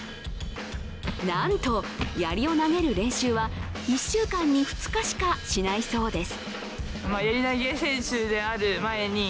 なんと、やりを投げる練習は１週間に２日しかしないそうです。